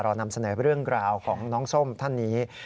เรานำเสนอเรื่องราวของน้องส้มท่านนี้